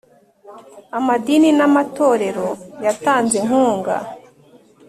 amadini n amatorero yatanze inkunga.